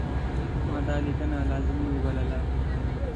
ما دا لیکنه لازمه وبلله.